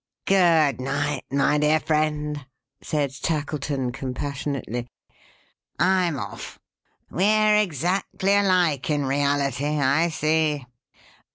"Good night, my dear friend!" said Tackleton, compassionately. "I'm off. We're exactly alike, in reality, I see.